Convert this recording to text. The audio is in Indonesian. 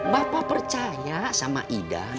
bapak percaya sama idan